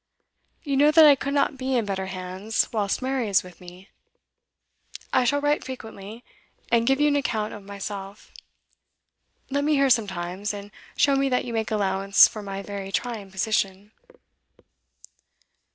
You know that I could not be in better hands whilst Mary is with me. I shall write frequently, and give you an account of myself. Let me hear sometimes, and show me that you make allowance for my very trying position.